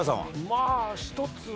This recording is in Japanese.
まあ１つは。